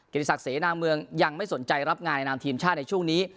ติศักดิเสนาเมืองยังไม่สนใจรับงานในนามทีมชาติในช่วงนี้